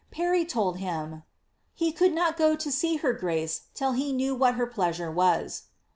^' Parry told him, ^ he could not go to see her grace till he knew what her plea sure was."